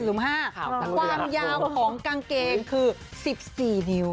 ความยาวของกางเกงคือ๑๔นิ้ว